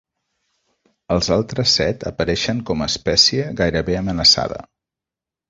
Els altres set apareixen com a espècie Gairebé amenaçada.